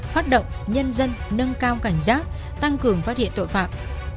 phát động nhân dân nâng cao cảnh giác tăng cường phát hiện tội phạm